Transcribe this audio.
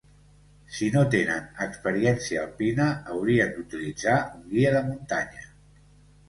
Si no tenen experiència alpina, haurien d'utilitzar un guia de muntanya.